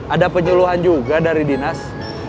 ada penyuluhan juga dari dinas